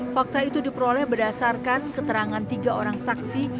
fakta itu diperoleh berdasarkan keterangan tiga orang saksi